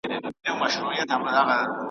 ټول سرونه به پراته وي پر څپړو .